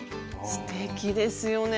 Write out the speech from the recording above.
すてきですよね。